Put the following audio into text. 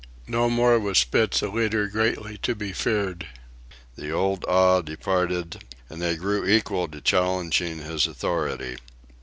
No more was Spitz a leader greatly to be feared. The old awe departed, and they grew equal to challenging his authority.